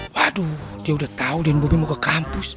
waduh dia udah tau dia dan bopi mau ke kampus